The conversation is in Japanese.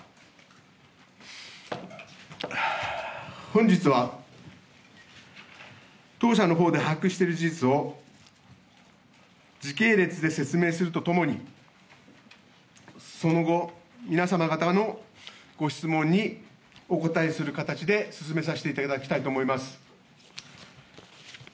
本日は、当社のほうで把握している事実を、時系列で説明するとともに、その後、皆様方のご質問にお答えする形で進めさせていただきたいと思います。